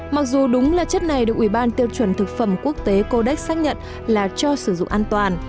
mặc dù đúng là chất này được ủy ban tiêu chuẩn thực phẩm quốc tế codex xác nhận là cho sử dụng an toàn